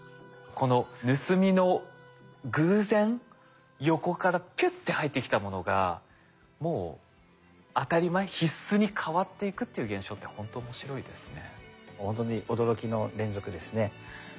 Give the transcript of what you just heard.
この盗みの偶然横からピュッて入ってきたものがもう当たり前必須に変わっていくっていう現象ってほんと面白いですね。